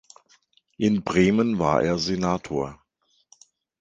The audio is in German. In Bremen war er Senator.